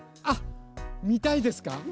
あっみたいですか？